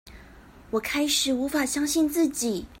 我開始無法相信自己